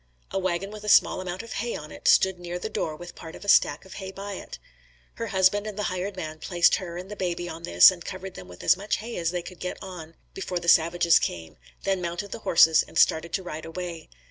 A wagon with a small amount of hay on it stood near the door with part of a stack of hay by it. Her husband and the hired man placed her and the baby on this and covered them with as much hay as they could get on before the savages came, then mounted the horses and started to ride away.